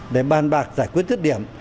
để bàn bạc giải quyết tiết điểm